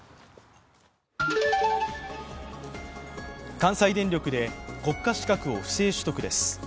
関西電力で、国家資格を不正取得です。